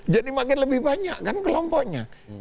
jadi makin lebih banyak kan kelompoknya